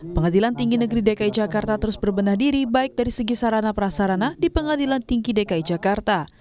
pengadilan tinggi negeri dki jakarta terus berbenah diri baik dari segi sarana prasarana di pengadilan tinggi dki jakarta